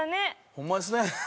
ホンマですね。